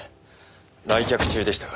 来客中でしたか。